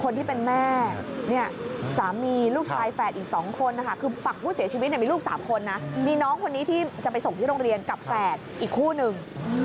นี่มีลูก๓คนนะมีน้องคนนี้ที่จะไปส่งที่โรงเรียนกับแฝดอีกคู่นึง